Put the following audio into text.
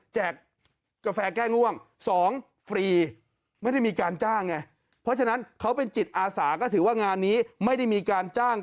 กาแฟแก้ง่วง๒ฟรีไม่ได้มีการจ้างไงเพราะฉะนั้นเขาเป็นจิตอาสาก็ถือว่างานนี้ไม่ได้มีการจ้าง